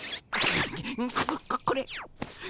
ここれ。